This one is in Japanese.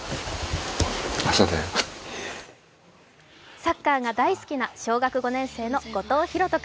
サッカーが大好きな小学５年生の後藤丈人君。